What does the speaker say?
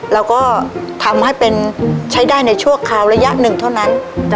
แล้วก็ทำให้เป็นใช้ได้ในชั่วคราวระยะหนึ่งเท่านั้น